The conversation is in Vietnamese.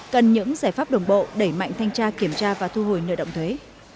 cần những giải pháp đồng bộ đẩy mạnh thanh tra kiểm tra và thu hồi nợ động thuế